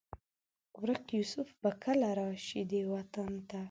ورک یوسف به کله؟ راشي دې وطن ته